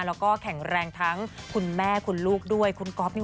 แล้วก็แข็งแรงทั้งคุณแม่คุณลูกด้วยคุณก๊อฟนี่